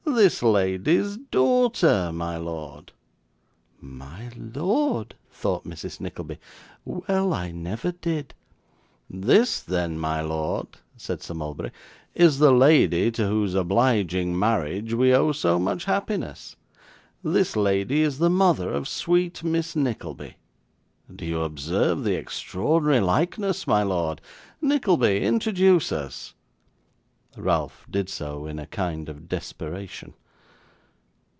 'This lady's daughter, my lord.' 'My lord!' thought Mrs. Nickleby. 'Well, I never did ' 'This, then, my lord,' said Sir Mulberry, 'is the lady to whose obliging marriage we owe so much happiness. This lady is the mother of sweet Miss Nickleby. Do you observe the extraordinary likeness, my lord? Nickleby introduce us.' Ralph did so, in a kind of desperation.